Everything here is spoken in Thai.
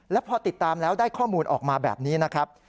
แล้วพอติดตามแล้วได้ข้อมูลออกมาแบบนี้นะครับ